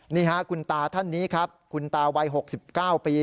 นี่ค่ะคุณตาท่านนี้ครับคุณตาวัย๖๙ปี